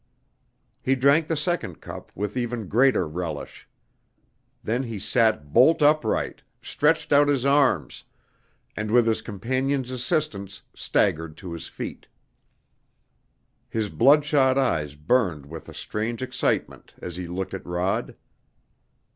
He drank the second cup with even greater relish. Then he sat bolt upright, stretched out his arms, and with his companion's assistance staggered to his feet. His bloodshot eyes burned with a strange excitement as he looked at Rod.